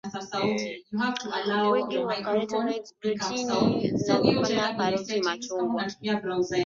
wingi wa carotenoids protini zinazofanya karoti machungwa